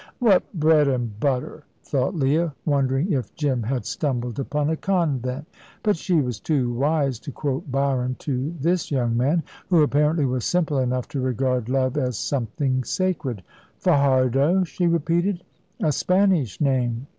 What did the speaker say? "What bread and butter!" thought Leah, wondering if Jim had stumbled upon a convent. But she was too wise to quote Byron to this young man, who apparently was simple enough to regard love as something sacred. "Fajardo," she repeated. "A Spanish name."